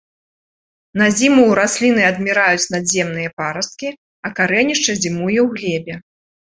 На зіму ў расліны адміраюць надземныя парасткі, а карэнішча зімуе ў глебе.